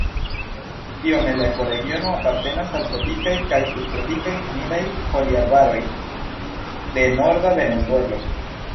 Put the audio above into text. Biome la ekoregiono apartenas al tropikaj kaj subtropikaj humidaj foliarbaroj de norda Venezuelo.